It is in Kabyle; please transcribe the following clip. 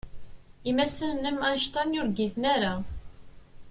Imassanen am Einstein ur ggiten ara.